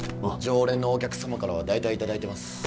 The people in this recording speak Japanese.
常連のお客様からは大体いただいてます